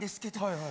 はい。